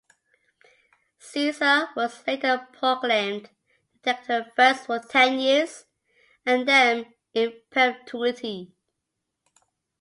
Caesar was later proclaimed dictator first for ten years and then in perpetuity.